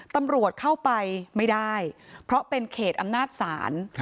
ตำรวจเข้าไปไม่ได้เพราะเป็นเขตอำนาจศาล